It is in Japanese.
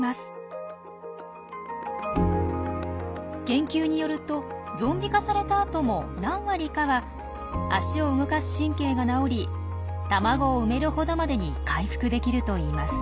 研究によるとゾンビ化されたあとも何割かは脚を動かす神経が治り卵を産めるほどまでに回復できるといいます。